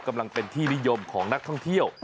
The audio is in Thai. กำลังเป็นที่นิยมของนักท่องเที่ยว